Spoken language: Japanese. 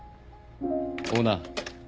オーナー。